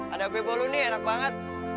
ada kue bolu nih enak banget